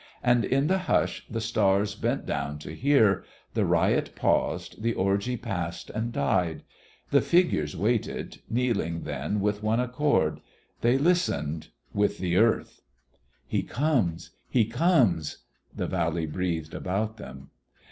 And in the hush the stars bent down to hear, the riot paused, the orgy passed and died. The figures waited, kneeling then with one accord. They listened with the Earth. "He comes.... He comes ..." the valley breathed about them.